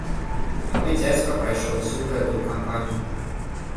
І мой дзядзька прайшоў усю гэтую кампанію.